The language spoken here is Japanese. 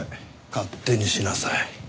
勝手にしなさい。